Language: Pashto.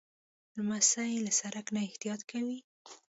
لمسی له سړک نه احتیاط کوي.